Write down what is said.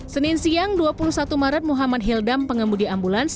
senin siang dua puluh satu maret muhammad hildam pengemudi ambulans